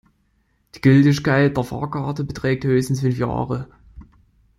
Die Gültigkeit der Fahrerkarte beträgt höchstens fünf Jahre.